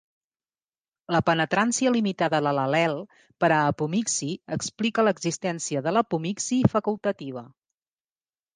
La penetrància limitada de l’al·lel per a apomixi explica l’existència de l’apomixi facultativa.